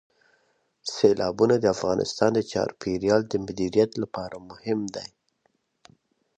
سیلابونه د افغانستان د چاپیریال د مدیریت لپاره مهم دي.